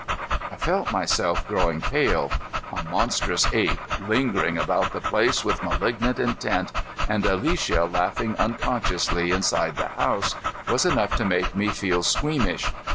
I felt myself growing pale. A monstrous ape, lingering about the place with malignant intent, and Alicia laughing unconsciously inside the house, was enough to make me feel squeamish.